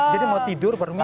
jadi mau tidur baru minum